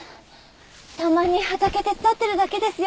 たまに畑手伝ってるだけですよ。